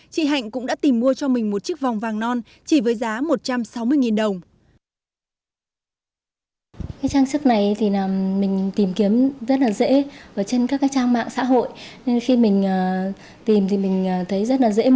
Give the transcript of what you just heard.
chị hạnh cũng đã tìm mua cho mình một chiếc vòng vàng non chỉ với giá một trăm sáu mươi đồng